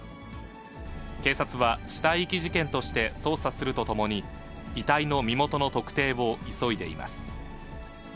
警察は死体遺棄事件として捜査するとともに、遺体の身元の特定を急いでいます。